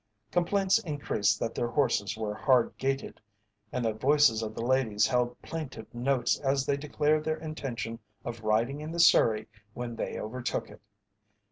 Complaints increased that their horses were hard gaited, and the voices of the ladies held plaintive notes as they declared their intention of riding in the surrey when they overtook it.